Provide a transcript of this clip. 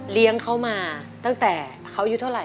เลี้ยงเขามาตั้งแต่เขาอายุเท่าไหร